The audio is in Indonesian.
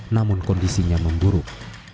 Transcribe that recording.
namun kondisinya memburuk